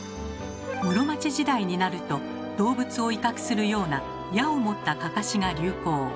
室町時代になると動物を威嚇するような矢を持ったかかしが流行。